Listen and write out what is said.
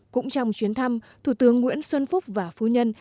cũng trong chuyến thăm thủ tướng nguyễn xuân phúc và phu nhân